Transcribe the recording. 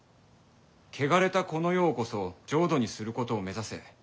「汚れたこの世をこそ浄土にすることを目指せ」。